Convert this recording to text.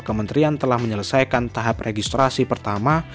kementerian telah menyelesaikan tahap registrasi pertama